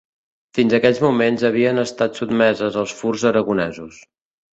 Fins aquells moments havien estat sotmeses als furs aragonesos.